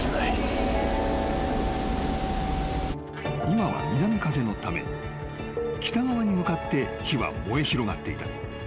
［今は南風のため北側に向かって火は燃え広がっていた］